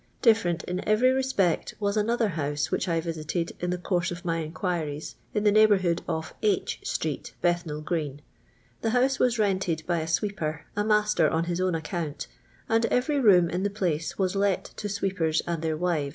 DilTerent in every resjH'ct was another house which I visited in the course of my inquiries, in the neighbourhood of H — street, ]3ethnal grceu. The house \va:f rented by a sw< e)ier, a master on his own account, and every room in the place was let to sweepers and their wive.